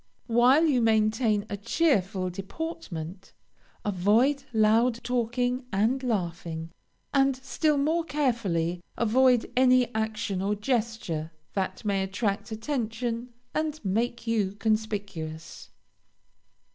While you maintain a cheerful deportment, avoid loud talking and laughing, and still more carefully avoid any action or gesture that may attract attention and make you conspicuous.